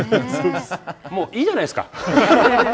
もういいじゃないですか！